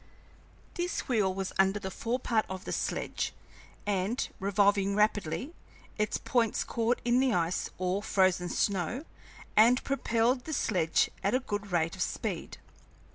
This wheel was under the fore part of the sledge, and, revolving rapidly, its points caught in the ice or frozen snow and propelled the sledge at a good rate of speed.